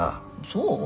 そう？